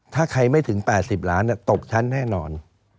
ถ้าใครไม่ถึง๘๐ล้านตกชั้นแน่นอน